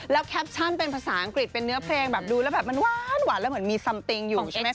แล้วแคปชั่นเป็นภาษาอังกฤษเป็นเนื้อเพลงแบบดูแล้วแบบมันหวานแล้วเหมือนมีซัมติงอยู่ใช่ไหมค